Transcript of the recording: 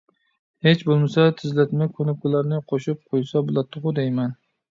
ھېچ بولمىسا، تېزلەتمە كۇنۇپكىلارنى قوشۇپ قويسا بولاتتىغۇ دەيمەن.